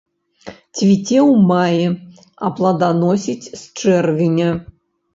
Цвіце ў маі, а плоданасіць з чэрвеня.